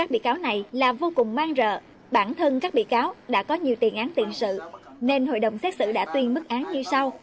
bản thân các bị cáo đã có nhiều tiền án tiền sự nên hội đồng xét xử đã tuyên mức án như sau